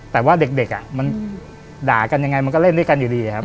แต่ว่าเด็กมันด่ากันยังไงมันก็เล่นด้วยกันอยู่ดีครับ